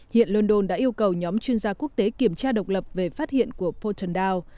hiện london đã yêu cầu nhóm chuyên gia quốc tế kiểm tra độc lập về phát hiện của portendal